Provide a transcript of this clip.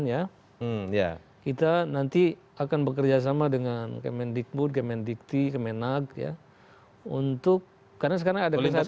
ya kita nanti akan bekerjasama dengan kemendikbud kemendikti kemenak ya untuk karena sekarang ada kesadaran